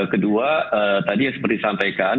kedua tadi seperti disampaikan